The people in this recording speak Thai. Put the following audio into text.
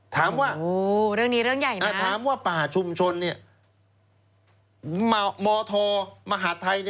ถามว่าถามว่าป่าชุมชนโมทมหาทัย